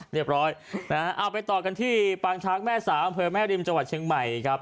เรียบร้อยนะฮะเอาไปต่อกันที่ปางช้างแม่สาอำเภอแม่ริมจังหวัดเชียงใหม่ครับ